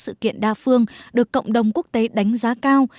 và các sự kiện đa phương được cộng đồng quốc tế đánh giá cao